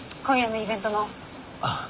今夜のイベントの。